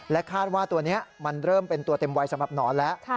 คาดว่าตัวนี้มันเริ่มเป็นตัวเต็มวัยสำหรับหนอนแล้ว